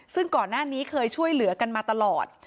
ซึ่งก่อนหน้านี้เคยช่วยเหลือกันมาตลอด